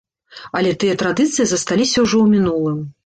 Але тыя традыцыі засталіся ўжо ў мінулым.